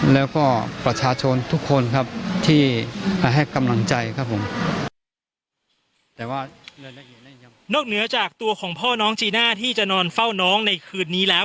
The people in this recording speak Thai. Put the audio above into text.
แล้วก็ประชาชนทุกคนครับที่มาให้กำลังใจครับผมแต่ว่านอกเหนือจากตัวของพ่อน้องจีน่าที่จะนอนเฝ้าน้องในคืนนี้แล้ว